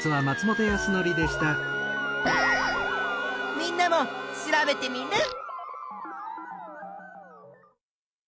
みんなも調べテミルン！